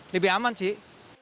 lebih aman sih